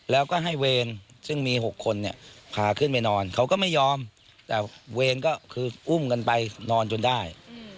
แล้วก็ให้เวรซึ่งมี๖คนเนี่ยพาขึ้นไปนอนเขาก็ไม่ยอมแต่เวรก็คืออุ้มกันไปนอนจนได้